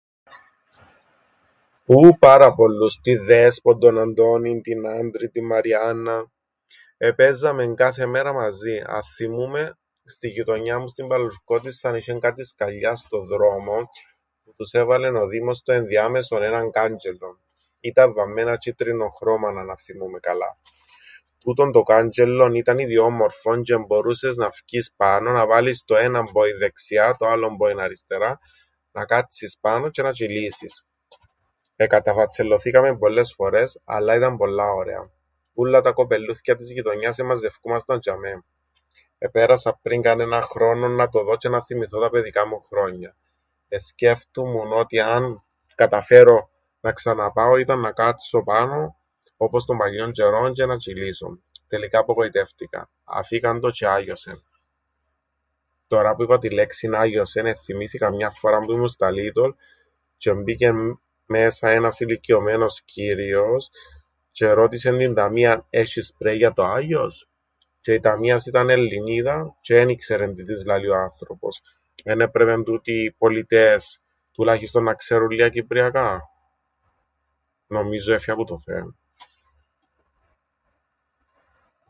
"Ουου, πάρα πολλούς! Την Δέσπων, τον Αντώνην, την Άντρην, την Μαριάνναν... Επαίζαμεν κάθε μέρα μαζίν. Αθθυμούμαι στην γειτονιάν μου στην Παλλουρκώτισσαν είσ̆εν κάτι σκαλιά στον δρόμον, που τους έβαλεν ο δήμος στο ενδιάμεσον έναν κάντζ̆ελλον - ήταν βαμμένα τζ̆ίτρινον χρώμαν, αν αθθυμούμαι καλά. Τούτον το κάντζ̆ελλον ήταν ιδιόμορφον τζ̆ι εμπορούσες να φκεις πάνω, να βάλεις το έναν πόιν δεξιά, το άλλον πόιν αριστερά, να κάτσεις πάνω τζ̆αι να τζ̆υλήσεις. Εκαταφατσελλωθήκαμεν πολλές φορές, αλλά ήταν πολλά ωραία. Ούλλα τα κοπελλούθκια της γειτονιάς εμαζευκούμασταν τζ̆ειαμαί. Επέρασα πριν κανέναν χρόνον να το δω τζ̆αι να θθυμηθώ τα παιδικά μου χρόνια. Εσκέφτουμουν ότι, αν καταφέρω να ξαναπάω, ήταν να κάτσω πάνω, όπως τον παλιόν τζ̆αιρόν, τζ̆αι να τζ̆υλήσω. Τελικά απογοητεύτηκα. Αφήκαν το τζ̆αι άγιωσεν. Τωρά που είπα την λέξην ""άγιωσεν"", εθθυμήθηκα μιαν φοράν που ήμουν στα Λίτολ τζ̆ι εμπήκεν μέσα ένας ηλικιωμένος κύριος, τζ̆ι ερώτησεν την ταμίαν ""έσ̆εις σπρέι για το άγιος;"", τζ̆αι η ταμίας ήταν Ελληνίδα, τζ̆αι εν ήξερεν τι της λαλεί ο άνθρωπος. Εν έπρεπεν τούτοι οι πωλητές τουλάχιστον να ξέρουν λλία κυπριακά; Νομίζω έφυα που το θέμαν."